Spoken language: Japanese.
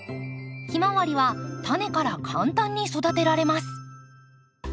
ヒマワリはタネから簡単に育てられます。